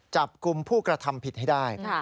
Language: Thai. จับกลุ่มผู้กระทำผิดให้ได้